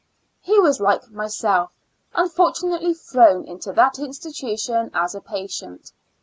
He was, like myself, unfortunately thrown into that institution as a patient.